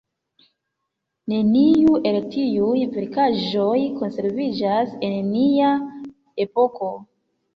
Neniu el tiuj verkaĵoj konserviĝas en nia epoko.